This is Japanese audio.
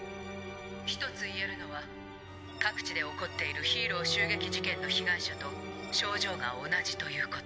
ひとつ言えるのは各地で起こっているヒーロー襲撃事件の被害者と症状が同じということ」。